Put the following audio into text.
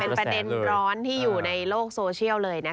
เป็นประเด็นร้อนที่อยู่ในโลกโซเชียลเลยนะคะ